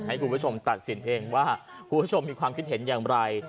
ให้คุณผู้ชมตัดสินเองว่าคุณผู้ชมมีความคิดเห็นอย่างไร